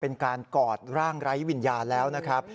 เป็นการกอดร่างไร้วิญญาณแล้วนะครับ